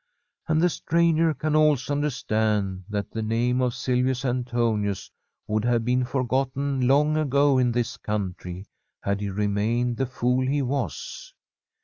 And the stranger can also understand that the name of Silvius Antonius would have been forgotten long ago in this country had he remained the fool be From a SWEDISH HOMESTEAD was.